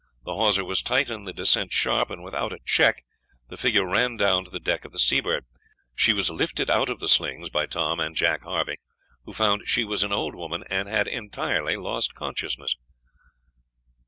The hawser was tight and the descent sharp, and without a check the figure ran down to the deck of the Seabird. She was lifted out of the slings by Tom and Jack Harvey, who found she was an old woman and had entirely lost consciousness.